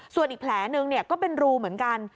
ส่วนอีกแผลนึงก็เป็นรูเหมือนกัน